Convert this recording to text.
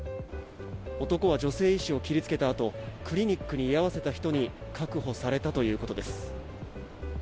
男は女性医師を切り付けたあとクリニックに居合わせた人に確保されたということです。